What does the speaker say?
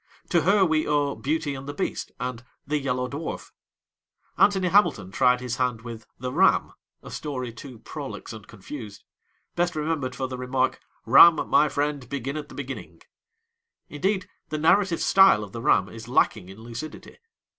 To her we owe Beauty and the Beast and The Yellow Dwarf. Anthony Hamilton tried his hand with The Ram, a story too prolix and confused, best remembered for the remark, 'Ram, my friend, begin at the beginning!' Indeed, the narrative style of the Ram is lacking in lucidity!